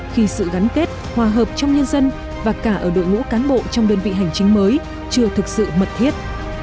khi sự gắn kết hòa hợp trong nhân dân và cả ở đội ngũ cán bộ trong đơn vị hành chính mới chưa thực sự mật thiết